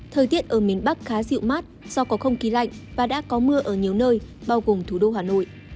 thời tiết ở miền bắc khá dịu mát do có không khí lạnh và đã có mưa ở nhiều nơi bao gồm thủ đô hà nội